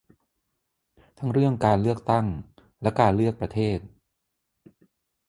ทั้งเรื่องการเลือกตั้งและการเลือกประเทศ